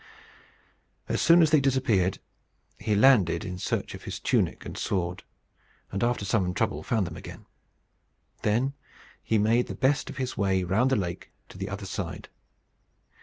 As soon as they disappeared, he landed in search of his tunic and sword, and, after some trouble, found them again. Then he made the best of his way round the lake to the other side.